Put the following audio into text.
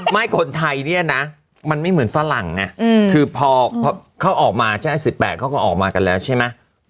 ไม่คนไทยเนี่ยนะมันไม่เหมือนฝรั่งไงคือพอเขาออกมาใช่๑๘เขาก็ออกมากันแล้วใช่ไหม